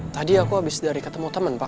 tadi aku habis dari ketemu teman pak